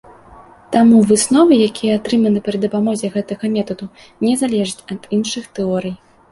Таму высновы, якія атрыманы пры дапамозе гэтага метаду, не залежаць ад іншых тэорый.